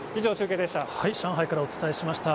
上海からお伝えしました。